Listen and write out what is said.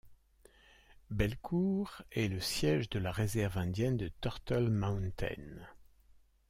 Belcourt est le siège de la réserve indienne de Turtle Mountain.